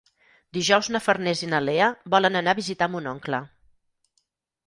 Dijous na Farners i na Lea volen anar a visitar mon oncle.